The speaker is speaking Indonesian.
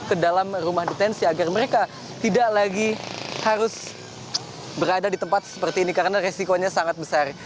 ke dalam rumah detensi agar mereka tidak lagi harus berada di tempat seperti ini karena resikonya sangat besar